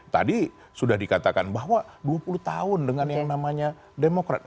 tadi sudah dikatakan bahwa dua puluh tahun dengan yang namanya demokrat